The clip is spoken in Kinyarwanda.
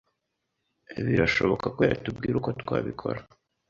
birashoboka ko yatubwira uko twabikora